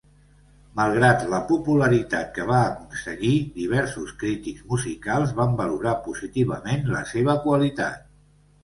Malgrat la popularitat que va aconseguir, diversos crítics musicals van valorar positivament la seva qualitat.